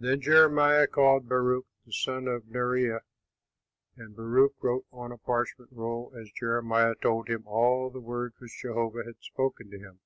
Then Jeremiah called Baruch, the son of Neriah; and Baruch wrote on a parchment roll as Jeremiah told him all the words which Jehovah had spoken to him.